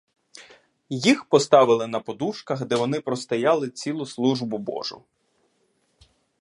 Їх поставили на подушках, де вони простояли цілу службу божу.